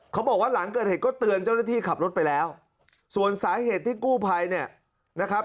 เขาบอกว่าหลังเกิดเหตุก็เตือนเจ้าหน้าที่ขับรถไปแล้วส่วนสาเหตุที่กู้ภัยเนี่ยนะครับ